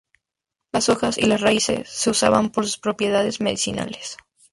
Las hojas y las raíces se usan por sus propiedades medicinales.